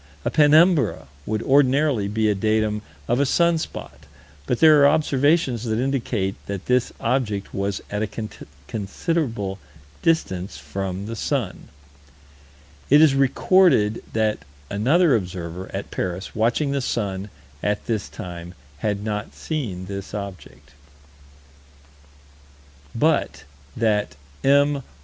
A penumbra would ordinarily be a datum of a sun spot, but there are observations that indicate that this object was at a considerable distance from the sun: It is recorded that another observer, at Paris, watching the sun, at this time, had not seen this object: But that M.